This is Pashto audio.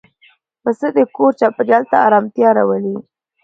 پسه د کور چاپېریال ته آرامتیا راولي.